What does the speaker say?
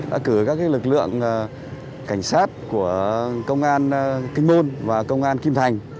đã cử các lực lượng cảnh sát của công an kinh môn và công an kim thành